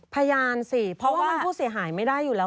พยานสิเพราะว่ามันผู้เสียหายไม่ได้อยู่แล้ว